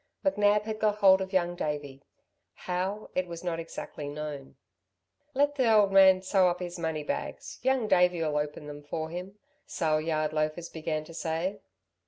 McNab had got hold of Young Davey. How it was not exactly known. "Let the old man sew up his money bags, Young Davey'll open them for him," sale yard loafers began to say.